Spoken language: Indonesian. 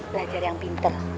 belajar yang pinter